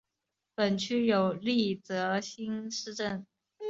本区有立泽新市镇。